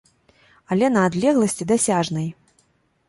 Але на адлегласці дасяжнай.